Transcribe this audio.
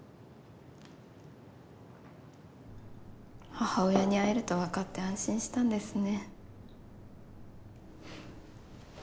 母親に会えると分かって安心したんですね。